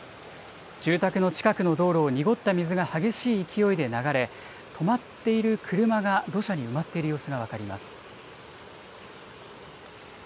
住宅の近くの道路を濁った水が激しい勢いで流れ、止まっている車が土砂に埋まっている様子が分かります。